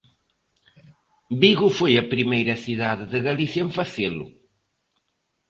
Vigo foi a primeira cidade de Galicia en facelo.